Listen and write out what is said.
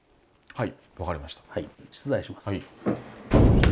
はい。